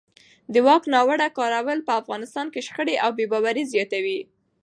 د واک ناوړه کارول په افغانستان کې شخړې او بې باورۍ زیاتوي